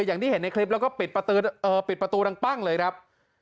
อย่างที่เห็นในคลิปแล้วก็ปิดประตูดังปั้งเลยครับ